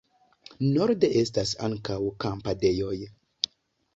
Norde estas ankaŭ kampadejoj.